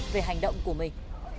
về hành động của mình